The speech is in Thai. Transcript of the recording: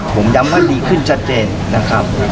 ผมย้ำว่าดีขึ้นชัดเจนนะครับ